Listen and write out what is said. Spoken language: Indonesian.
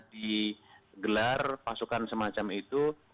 digelar pasukan semacam itu